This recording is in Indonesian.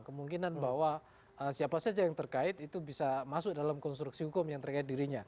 kemungkinan bahwa siapa saja yang terkait itu bisa masuk dalam konstruksi hukum yang terkait dirinya